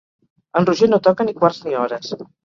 En Roger no toca ni quarts ni hores.